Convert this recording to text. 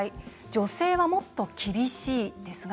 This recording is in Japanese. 女性はもっと厳しいですが